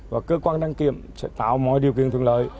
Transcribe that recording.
và cơ quan đăng kiểm sẽ tạo mọi điều kiện thuận lợi